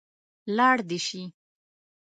لاړ دې شي.